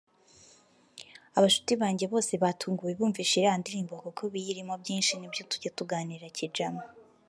Abashuti banjye bose batunguwe bumvise iriya ndirimbo kuko ibiyirimo byinshi ni ibyo tujya tuganira kijama…”